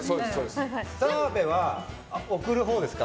澤部は送るほうですか？